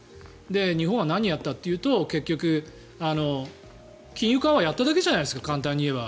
日本は何をやったというと結局、金融緩和をやっただけじゃないですか簡単に言えば。